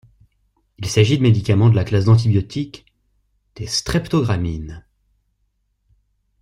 Il s'agit de médicaments de la classe d'antibiotique des streptogramines.